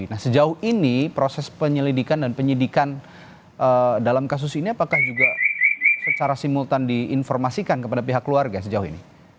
nah sejauh ini proses penyelidikan dan penyidikan dalam kasus ini apakah juga secara simultan diinformasikan kepada pihak keluarga sejauh ini